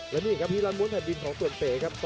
และนี้ครับพี่ร่านมะแตะดินของส่วนเตะครับ